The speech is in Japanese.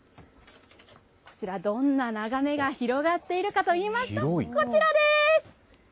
こちらどんな眺めが広がっているかと言いますとこちらです。